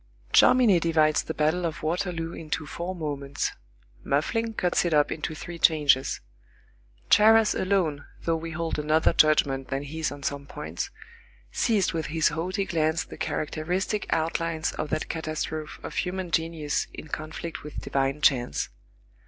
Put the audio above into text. Jomini divides the battle of Waterloo into four moments; Muffling cuts it up into three changes; Charras alone, though we hold another judgment than his on some points, seized with his haughty glance the characteristic outlines of that catastrophe of human genius in conflict with divine chance.